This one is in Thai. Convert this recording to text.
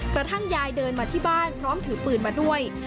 กระทั่งยายเดินมาที่บ้านพร้อมถือปืนมาด้วย